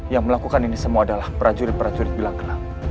yang melakukan ini semua adalah prajurit prajurit bilang bilang